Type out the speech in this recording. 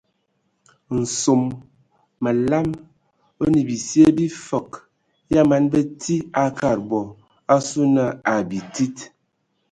Nsom məlam o nə bisye bifəg ya man bəti a kad bɔ asu na abitsid.